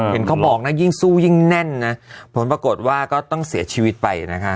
เห็นเขาบอกนะยิ่งสู้ยิ่งแน่นนะผลปรากฏว่าก็ต้องเสียชีวิตไปนะคะ